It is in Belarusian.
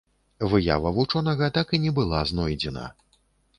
Выява вучонага так і не была знойдзена.